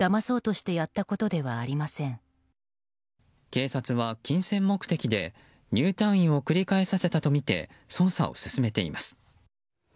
警察は金銭目的で入退院を繰り返させたとみて捜査を進めています。